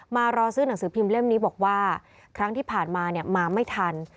มารอซื้อหนังสือพิมพ์เล่มนี้บอกว่าครั้งที่ผ่านมามาไม่ทัน